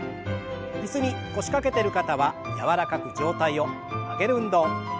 椅子に腰掛けてる方は柔らかく上体を曲げる運動。